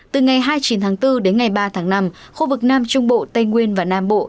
từ ngày hai mươi chín tháng bốn đến ngày ba tháng năm khu vực nam trung bộ tây nguyên và nam bộ